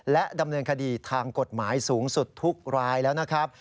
และดำเนินคดีทางกฎหมายสูงสุดทุกรายแล้วนะครับ